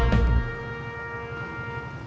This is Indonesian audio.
kalau beli beli aja